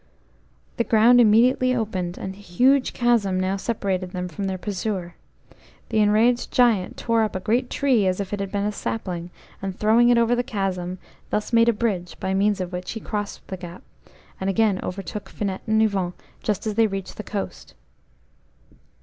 The ground immediately opened, and a huge chasm now separated them from their pursuer. The enraged Giant tore up a great tree as if it had been a sapling, and throwing it over the chasm thus made a bridge, by means of which he crossed the gap, and again overtook Finette and Yvon just as they reached the coast.